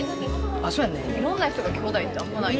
いろんな人がきょうだいってあんまない。